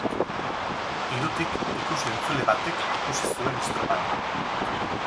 Hirutik ikus-entzule batek ikusi zuen estropada.